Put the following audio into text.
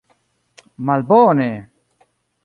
Malbone!